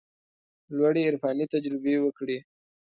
لوړې عرفاني تجربې وکړي.